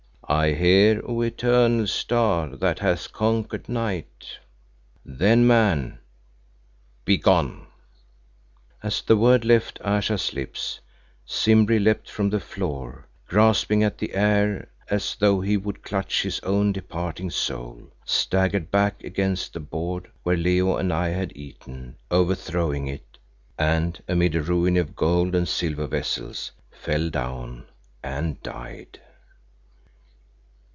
"I hear, O Eternal Star that hath conquered Night." "Then, man, begone!" As the word left Ayesha's lips Simbri leapt from the floor, grasping at the air as though he would clutch his own departing soul, staggered back against the board where Leo and I had eaten, overthrowing it, and amid a ruin of gold and silver vessels, fell down and died.